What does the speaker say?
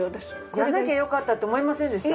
やらなきゃよかったって思いませんでした？